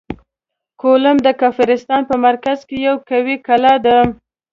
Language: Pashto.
کولوم د کافرستان په مرکز کې یوه قوي کلا ده.